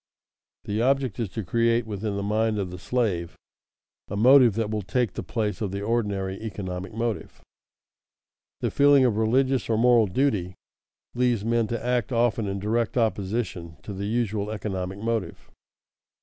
The object is to create within the mind of the slave a motive that will take the place of the ordinary economic motive. The feeling of religious or moral duty leads men to act often in direct opposition to the usual economic motive.